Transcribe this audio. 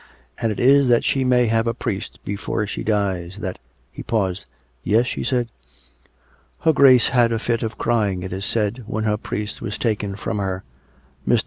And it is that she may have a priest before she dies, that " He paused. " Yes ?" she said. " Her Grace had a fit of crying, it is said, when her priest was taken from her. Mr.